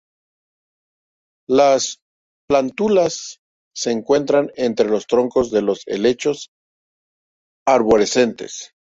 Las plántulas se encuentra entre los troncos de los helechos arborescentes.